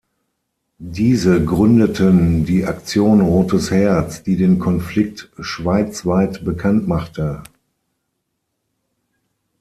Diese gründeten die «Aktion Rotes Herz», die den Konflikt schweizweit bekannt machte.